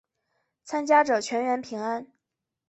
参加者全员平安。